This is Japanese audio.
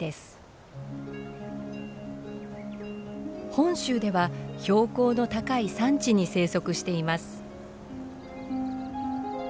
本州では標高の高い山地に生息しています。